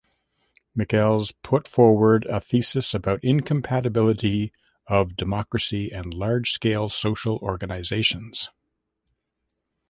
Michels put forward a thesis about incompatibility of democracy and large-scale social organizations.